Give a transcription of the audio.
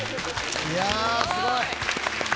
いやあすごい。